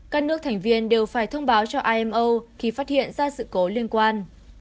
các nước thành viên đều phải thông báo cho imo khi phát hiện ra sự cố liên quan